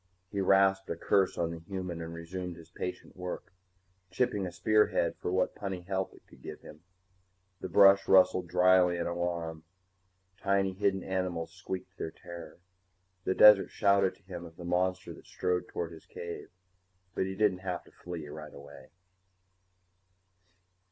He rasped a curse on the human and resumed his patient work, chipping a spearhead for what puny help it could give him. The brush rustled dryly in alarm, tiny hidden animals squeaked their terror, the desert shouted to him of the monster that strode toward his cave. But he didn't have to flee right away.